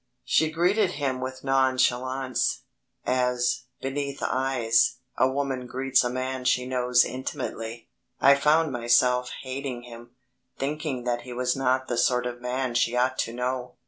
She greeted him with nonchalance, as, beneath eyes, a woman greets a man she knows intimately. I found myself hating him, thinking that he was not the sort of man she ought to know.